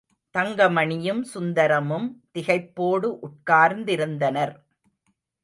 தங்கமணியும் சுந்தரமும் திகைப்போடு உட்கார்ந்திருந்தனர்.